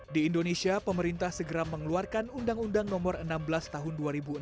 di indonesia pemerintah segera mengeluarkan undang undang nomor enam belas tahun dua ribu enam belas